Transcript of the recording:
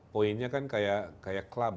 poinnya kan kayak club